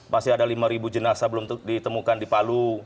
masih ada lima jenazah belum ditemukan di palu